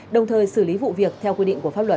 đồng thời xử lý vụ việc theo quy định của pháp luật